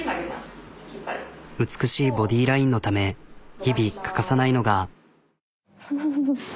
美しいボディーラインのため日々欠かさないのが。